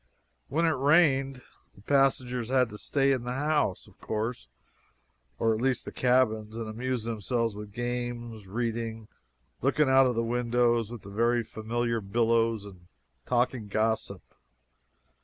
When it rained the passengers had to stay in the house, of course or at least the cabins and amuse themselves with games, reading, looking out of the windows at the very familiar billows, and talking gossip.